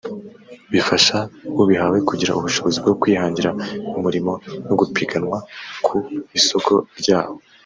bigafasha ubihawe kugira ubushobozi bwo kwihangira umurimo no gupiganwa ku isoko ryawo